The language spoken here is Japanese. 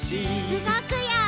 うごくよ！